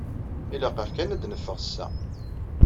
Ilaq-aɣ kan ad d-neffeɣ sa.